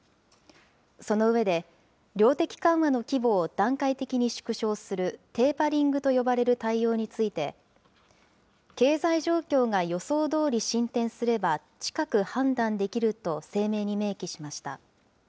その上で、量的緩和の規模を段階的に縮小するテーパリングと呼ばれる対応について、経済状況が予想どおり進展すれば、近く判断できると声明に明記しました。